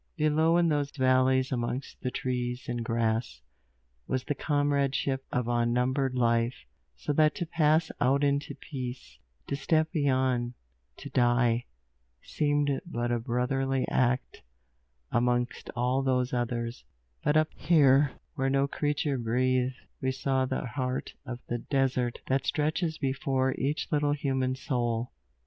Below, in those valleys amongst the living trees and grass, was the comradeship of unnumbered life, so that to pass out into Peace, to step beyond, to die, seemed but a brotherly act, amongst all those others; but up here, where no creature breathed, we saw the heart of the desert that stretches before each little human soul.